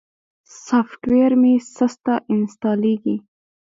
سافټویر مې سسته انستالېږي.